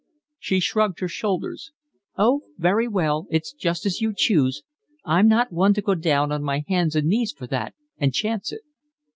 She shrugged her shoulders. "Oh, very well, it's just as you choose. I'm not one to go down on my hands and knees for that, and chance it."